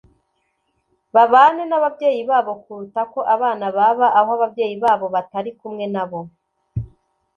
babane n’ababyeyi babo kuruta ko abana baba aho ababyeyi babo batari kumwe nabo